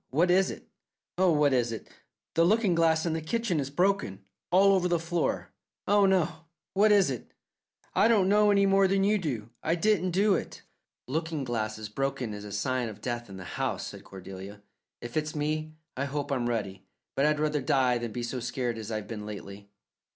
What is it? Oh, what is it? The looking glass in the kitchen is broken. All over the floor. Oh, oh! What is it?" "I don't know any more than you do. I didn't do it." "Lookin' glasses broken is a sign of death in the house," said Cordelia. "If it's me, I hope I'm ready; but I'd rather die than be so scared as I've been lately."